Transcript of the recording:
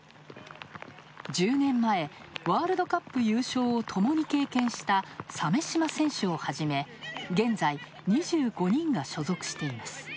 １０年前、ワールドカップ優勝をともに経験した鮫島選手をはじめ、現在２５人が所属しています。